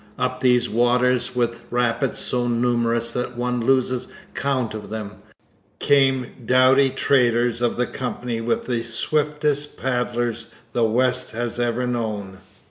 Up these waters, with rapids so numerous that one loses count of them, came doughty traders of the Company with the swiftest paddlers the West has ever known.